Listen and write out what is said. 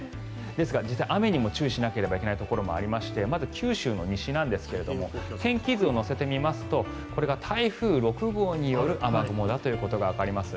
ですが、実は雨にも注意しなければいけないところがありましてまず九州の西なんですが天気図を乗せてみますとこれが台風６号による雨雲だということがわかります。